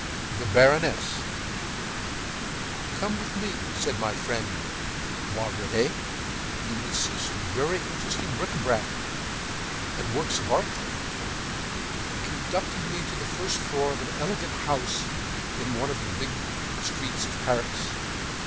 THE BARONESS “Come with me,” said my friend Boisrene, “you will see some very interesting bric a brac and works of art there.” He conducted me to the first floor of an elegant house in one of the big streets of Paris.